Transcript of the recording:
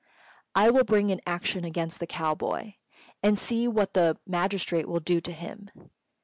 I will bring an action against the cow boy, and see what the magistrate will do to him."